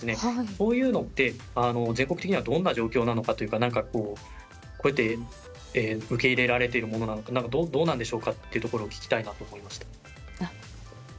こういうのって、全国的にはどんな状況なのかというかこういって受け入れられているかどうのかと聞きたいなと思いました。